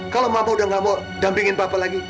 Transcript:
kalau bapak udah gak mau dampingin papa lagi